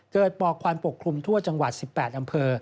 ปอกควันปกคลุมทั่วจังหวัด๑๘อำเภอ